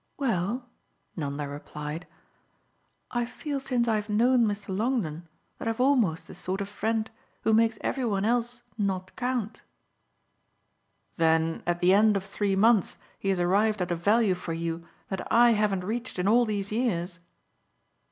"Well," Nanda replied, "I feel since I've known Mr. Longdon that I've almost the sort of friend who makes every one else not count." "Then at the end of three months he has arrived at a value for you that I haven't reached in all these years?"